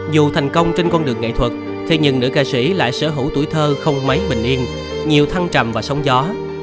dù thành công trên con đường nghệ thuật thế nhưng nữ ca sĩ lại sở hữu tuổi thơ không mấy bình yên nhiều thăng trầm và sóng gió